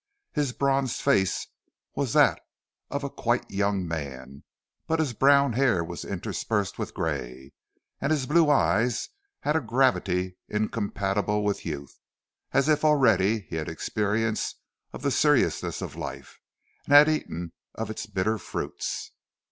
His bronzed face was that of a quite young man, but his brown hair was interspersed with grey; and his blue eyes had a gravity incompatible with youth, as if already he had experience of the seriousness of life, and had eaten of its bitter fruits.